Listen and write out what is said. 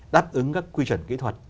đáp ứng các quy chuẩn kỹ thuật